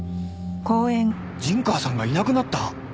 陣川さんがいなくなった？